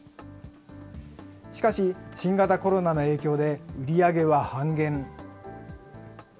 しかし、新型コロナの影響で、売り上げは半減。